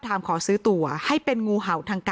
และการแสดงสมบัติของแคนดิเดตนายกนะครับ